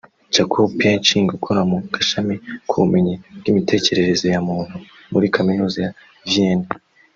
Jakob Pietschnig ukora mu gashami k’ubumenyi bw’imitekerereze ya muntu muri kaminuza ya Vienne